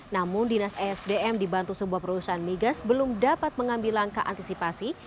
namun dinas esdm dibantu sebuah perusahaan migas belum dapat mengambil langkah antisipasi